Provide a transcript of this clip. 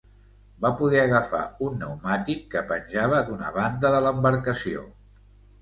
Va poder agafar un pneumàtic que penjava d'una banda de l'embarcació.